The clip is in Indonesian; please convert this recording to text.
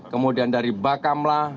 kemudian dari bakamla